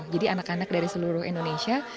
jadi anak anak dari seluruh indonesia